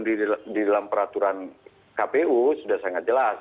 di dalam peraturan kpu sudah sangat jelas